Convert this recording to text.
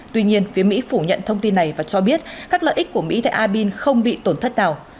tuy nhiên phía mỹ phủ nhận thông tin này và cho biết các lợi ích của mỹ tại abin không bị tổn thất nào